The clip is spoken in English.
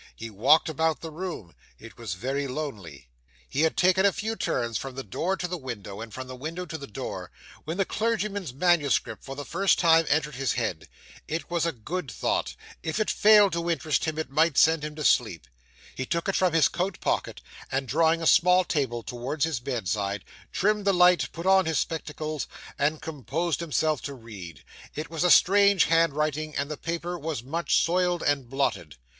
He walked about the room it was very lonely. He had taken a few turns from the door to the window, and from the window to the door, when the clergyman's manuscript for the first time entered his head. It was a good thought. If it failed to interest him, it might send him to sleep. He took it from his coat pocket, and drawing a small table towards his bedside, trimmed the light, put on his spectacles, and composed himself to read. It was a strange handwriting, and the paper was much soiled and blotted.